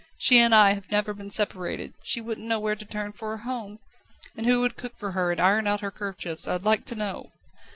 She and I have never been separated; she wouldn't know where to turn for a home. And who would cook for her and iron out her kerchiefs, I'd like to know?"